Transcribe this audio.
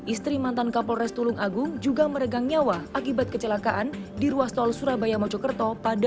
istri mantan kapolres tulung agung juga meregang nyawa akibat kecelakaan di ruas tol surabaya mojokerto pada dua ribu dua puluh